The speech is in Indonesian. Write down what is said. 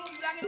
lu berangin lu